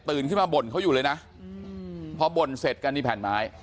ขึ้นมาบ่นเขาอยู่เลยนะพอบ่นเสร็จกันนี่แผ่นไม้